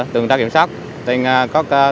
tuần tra kiểm soát trên các